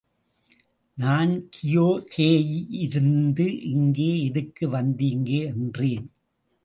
நான் கியக்கேயிருந்து இங்கே எதுக்கு வந்தீங்க? —என்றேன்.